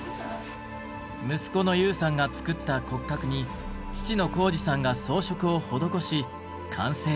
息子の悠さんが作った骨格に父の浩司さんが装飾を施し完成です。